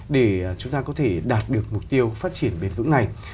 để chúng ta có thể đạt được mục tiêu phát triển bền vững này